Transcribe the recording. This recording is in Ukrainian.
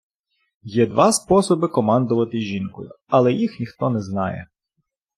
Є два способи командувати жінкою, але їх ніхто не знає